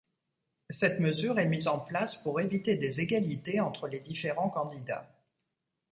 Cette mesure est mise en place pour éviter des égalités entre les différents candidats.